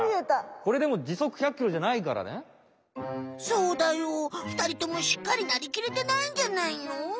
これでもそうだよふたりともしっかりなりきれてないんじゃないの？